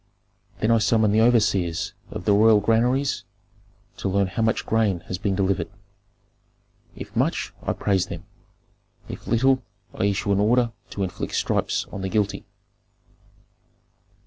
Then I summon the overseers of the royal granaries, to learn how much grain has been delivered. If much, I praise them; if little, I issue an order to inflict stripes on the guilty.